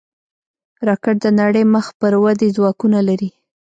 راکټ د نړۍ مخ پر ودې ځواکونه لري